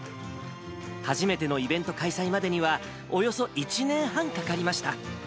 初めてのイベント開催までにはおよそ１年半かかりました。